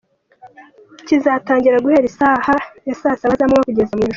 Kizatangira guhera isaha ya saa saba z’amanywa kugeza mu ijoro.